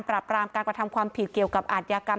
รามการกระทำความผิดเกี่ยวกับอาทยากรรม